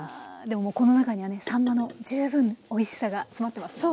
でももうこの中にはねさんまの十分おいしさが詰まってますね。